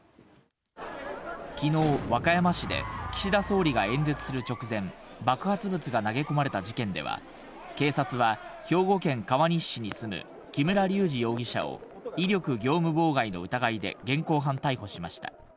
昨日、和歌山市で岸田総理が演説する直前、爆発物が投げ込まれた事件では、警察は兵庫県川西市に住む木村隆二容疑者を威力業務妨害の疑いで現行犯逮捕しました。